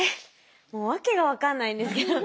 もう訳が分かんないんですけど。